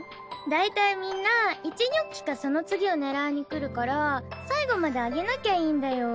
だいたいみんな１ニョッキかその次を狙いにくるから最後まで上げなきゃいいんだよ。